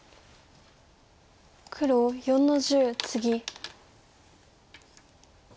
黒４の十ツギ。